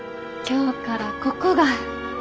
今日からここが。